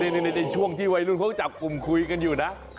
ในช่วงที่วัยรุ่นเขาจับกลุ่มคุยกันอยู่นะ